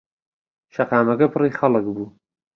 شەقاکەمە پڕی خەڵک بوو.